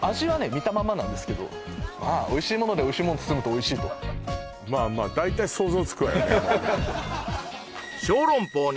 見たままなんですけどおいしいものでおいしいもん包むとおいしいとまあまあ大体想像つくわよね